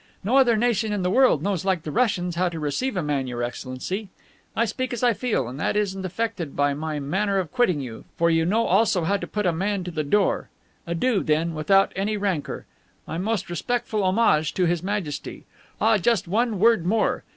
No other nation in the world knows like the Russians how to receive a man, Your Excellency. I speak as I feel; and that isn't affected by my manner of quitting you, for you know also how to put a man to the door. Adieu, then; without any rancor. My most respectful homage to His Majesty. Ah, just one word more!